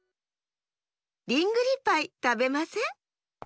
りんぐりパイたべません？